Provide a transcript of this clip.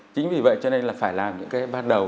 chính vì vậy cho nên là phải làm những cái ban đầu